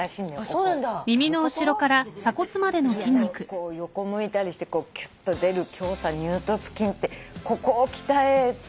こう横向いたりしてキュッと出る胸鎖乳突筋ってここを鍛えとくのがいいらしい。